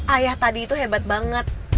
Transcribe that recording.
ayah tadi itu hebat banget